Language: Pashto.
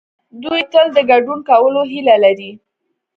دوی تل د ګډون کولو هيله لري.